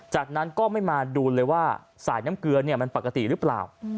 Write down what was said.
จากนั้นก็ไม่มาดูเลยว่าสายน้ำเกลือมันปกติหรือเปล่า